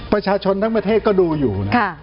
ประชาชนทั้งประเทศก็ดูอยู่นะ